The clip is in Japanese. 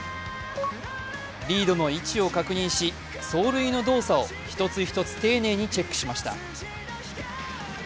リードの位置を確認し、走塁の動作を一つ一つ丁寧にチェックしました。